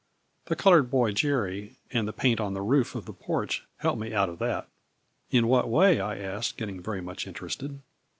The colored boy, Jerry, 78 A FLURRY IN DIAMONDS. and the paint on the roof of the porch helped me out of that." " In what way ?" I asked, getting very much interested.